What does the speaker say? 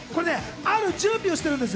ある準備をしてるんです。